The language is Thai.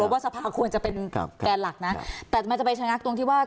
ว่าสภาควรจะเป็นแกนหลักนะแต่มันจะไปชะงักตรงที่ว่า